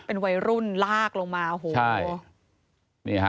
เป็นวัยรุ่นลากลงมา